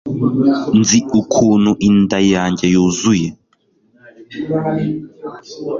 nzi ukuntu inda yanjye yuzuye